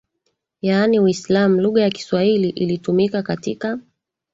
yaani Uislamu Lugha ya Kiswahili ilitumika katika